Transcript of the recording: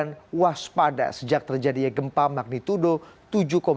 namun bmkg mengeluarkan peringatan dini tsunami telah dicabut oleh bmkg